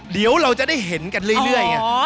เดี๋ยวเราจะได้เห็นกันเรื่อยไง